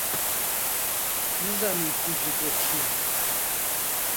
nizanin ku ji bo çî ye?